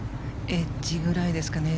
エッジぐらいですかね。